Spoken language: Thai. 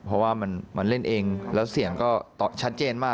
เพราะว่ามันเล่นเองแล้วเสียงก็ชัดเจนมาก